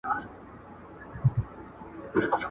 زه مکتب ته تللي دي،